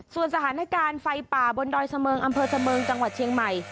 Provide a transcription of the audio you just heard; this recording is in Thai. ส่วนสถานการณ์ไฟป่าบนดอยเสมิงอำเภอเสมิงจังหวัดเชียงใหม่